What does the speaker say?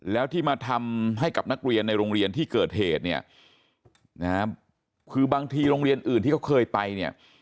แล้วที่มาทำให้กับนักเรียนในโรงเรียนที่เกิดเหตุเนี่ยนะฮะคือบางทีโรงเรียนอื่นที่เขาเคยไปเนี่ย